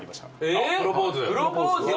えっプロポーズ？